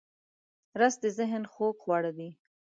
رس د ذهن خوږ خواړه دی